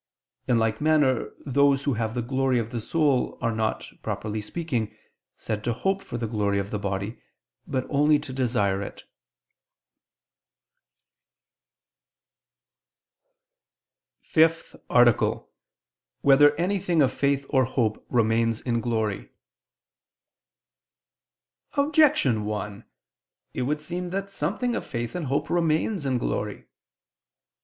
In like manner those who have the glory of the soul are not, properly speaking, said to hope for the glory of the body, but only to desire it. ________________________ FIFTH ARTICLE [I II, Q. 67, Art. 5] Whether Anything of Faith or Hope Remains in Glory? Objection 1: It would seem that something of faith and hope remains in glory.